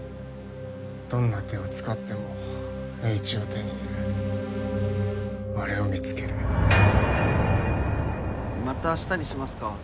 どんな手を使ってもエーイチを手に入れあれを見つけるまた明日にしますか？